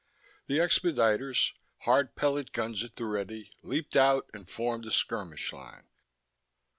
The expediters, hard pellet guns at the ready, leaped out and formed in a skirmish line.